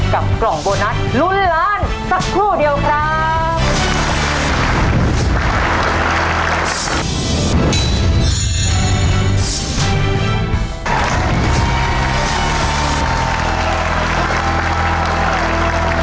กล่องโบนัสลุ้นล้านสักครู่เดียวครับ